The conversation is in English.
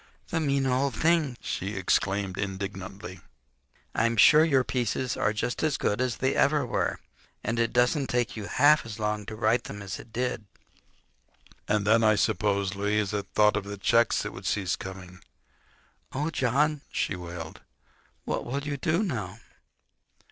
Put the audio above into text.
"The mean old thing!" she exclaimed indignantly. "I'm sure your pieces are just as good as they ever were. And it doesn't take you half as long to write them as it did." And then, I suppose, Louisa thought of the checks that would cease coming. "Oh, John," she wailed, "what will you do now?"